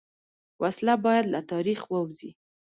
وسله باید له تاریخ ووځي